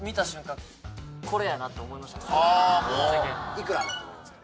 幾らだと思いますか？